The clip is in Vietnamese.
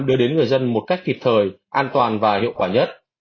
đưa đến người dân một cách kịp thời an toàn và hiệu quả nhất